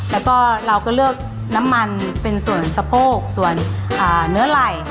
แล้วก็เราก็เลือกน้ำมันเป็นส่วนสะโพกส่วนเนื้อไหล่